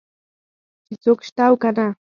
چې څوک شته او که نه.